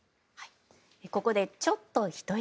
ここで、ちょっとひと息。